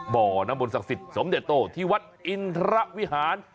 บ่อน้ำมนต์ศักขิตสมเด็จโตที่วัดอินทรวิหาร